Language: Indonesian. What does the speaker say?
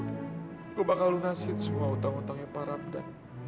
saya akan melunasi semua hutang hutang yang pak ramda